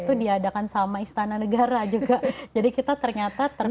terhadapkan sama istana negara juga jadi kita ternyata terpilih